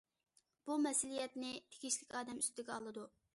بۇ مەسئۇلىيەتنى تېگىشلىك ئادەم ئۈستىگە ئالىدۇ.